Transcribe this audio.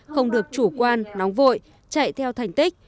không được chủ quan nóng vội chạy theo thành tích